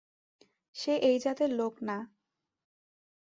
সে এই জাতের লোক না।